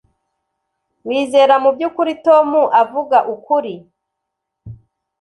wizera mubyukuri tom avuga ukuri?